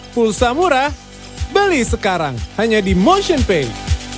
pulsa murah beli sekarang hanya di motionpay